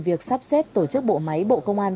việc sắp xếp tổ chức bộ máy bộ công an